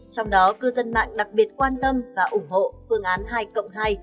trong đó cư dân mạng đặc biệt quan tâm và ủng hộ phương án hai cộng hai